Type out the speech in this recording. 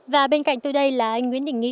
và bên cạnh tôi đây là anh nguyễn đình nghị